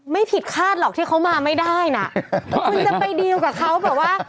ไม่ผิดคาดหรอกที่เขามาไม่ได้น่ะคุณจะไปดีลกับเขาแบบว่า